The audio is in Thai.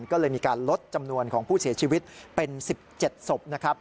ก็เลยมีการลดจำนวนของผู้เสียชีวิตเป็น๑๗ศพนะครับ